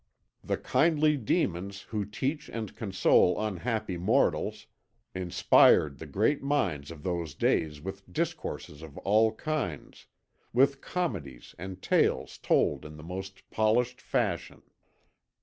The kindly demons who teach and console unhappy mortals, inspired the great minds of those days with discourses of all kinds, with comedies and tales told in the most polished fashion.